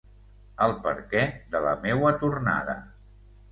El perquè de la meua tornada...